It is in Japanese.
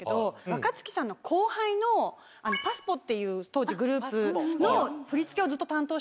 若槻さんの後輩のＰＡＳＳＰＯ☆っていう当時グループの。